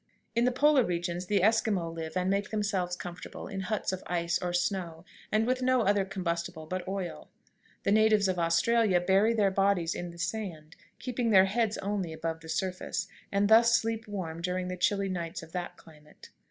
In the polar regions the Esquimaux live and make themselves comfortable in huts of ice or snow, and with no other combustible but oil. The natives of Australia bury their bodies in the sand, keeping their heads only above the surface, and thus sleep warm during the chilly nights of that climate.